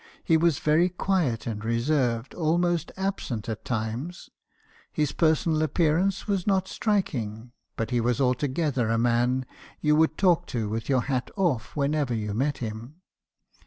He was very quiet and reserved, almost absent at times; his personal ap pearance was not striking; but he was altogether a man you would talk to with your hat off wherever you met him.